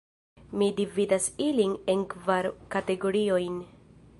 Mi dividas ilin en kvar kategoriojn.